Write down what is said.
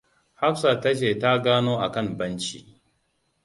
Hafsat ta ce ta gano akan banci.